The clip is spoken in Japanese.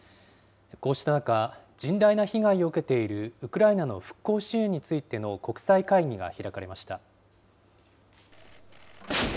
こうした中、甚大な被害を受けているウクライナの復興支援についての国際会議が開かれました。